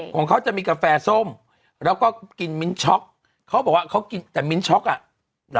ค่ะใช่ค่ะใช่มึงตอบไหมฮะ